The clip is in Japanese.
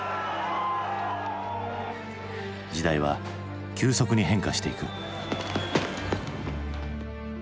時代は急速に変化していく。